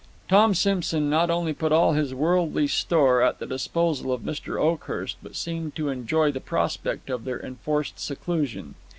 Tom Simson not only put all his worldly store at the disposal of Mr. Oakhurst, but seemed to enjoy the prospect of their enforced seclusion.